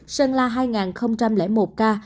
sơn la hai một ca